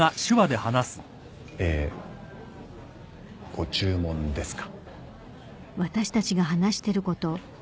えご注文ですか？